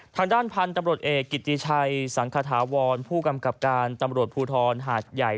ทางด้านพันธุ์ตำรวจเอกกิติชัยสังคฐาวรผู้กำกับการตำรวจภูทรหาดใหญ่